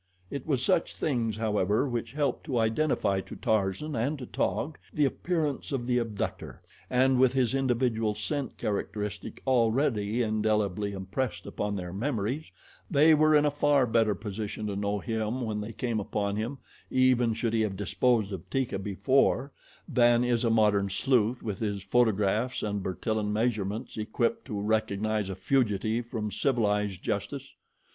It was such things, however, which helped to identify to Tarzan and to Taug the appearance of the abductor, and with his individual scent characteristic already indelibly impressed upon their memories, they were in a far better position to know him when they came upon him, even should he have disposed of Teeka before, than is a modern sleuth with his photographs and Bertillon measurements, equipped to recognize a fugitive from civilized justice.